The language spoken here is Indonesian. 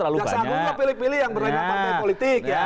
jaksaan agung mah pilih pilih yang berlainan partai politik